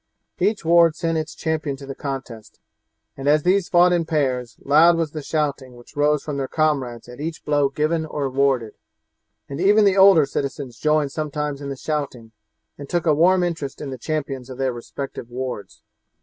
Each ward sent its champion to the contest, and as these fought in pairs, loud was the shouting which rose from their comrades at each blow given or warded, and even the older citizens joined sometimes in the shouting and took a warm interest in the champions of their respective wards.